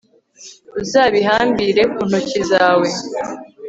uzabihambire ku ntoki zawe